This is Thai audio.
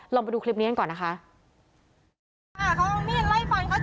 ลองไปดูคลิปนี้ก่อนนะคะ